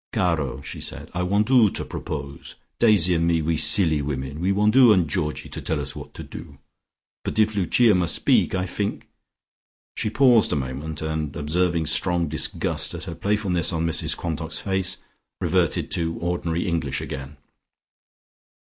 "Caro!" she said. "I want 'oo to propose. Daisy and me, we silly women, we want 'oo and Georgie to tell us what to do. But if Lucia must speak, I fink " She paused a moment, and observing strong disgust at her playfulness on Mrs Quantock's face, reverted to ordinary English again.